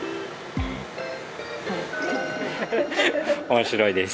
面白いです。